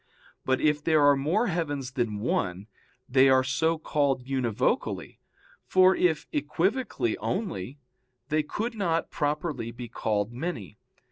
But if there are more heavens than one, they are so called univocally, for if equivocally only, they could not properly be called many.